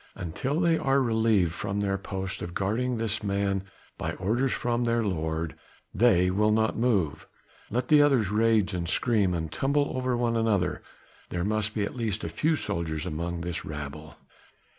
Until they are relieved from their post of guarding this man by orders from their lord, they will not move. Let the others rage and scream and tumble over one another, there must be at least a few soldiers among this rabble.